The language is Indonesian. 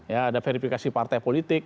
ya ada verifikasi partai politik